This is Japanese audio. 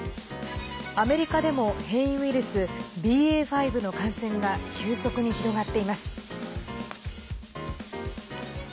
アメリカでも変異ウイルスＢＡ．５の感染が急速に広がっています。